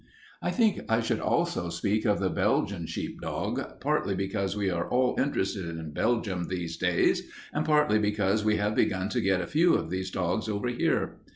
"I think I should also speak of the Belgian sheepdog, partly because we are all interested in Belgium these days, and partly because we have begun to get a few of these dogs over here.